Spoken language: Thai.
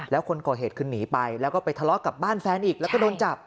แล้วคนก่อเหตุคือหนีไปแล้วก็ไปทะเลาะกับบ้านแฟนอีกแล้วก็โดนจับ